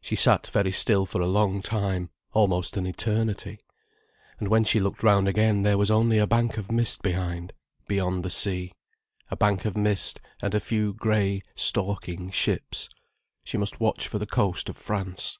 She sat very still for a long time, almost an eternity. And when she looked round again there was only a bank of mist behind, beyond the sea: a bank of mist, and a few grey, stalking ships. She must watch for the coast of France.